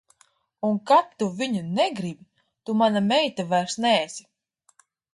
Un kad tu viņa negribi, tu mana meita vairs neesi.